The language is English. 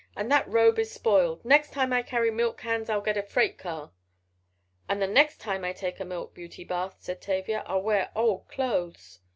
"And that robe is spoiled. Next time I carry milk cans I'll get a freight car." "And the next time I take a milk beauty bath," said Tavia, "I'll wear old clothes."